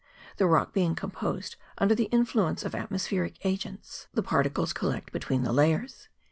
The rock being decomposed under the influence of atmospheric agents, the particles collect between the layers.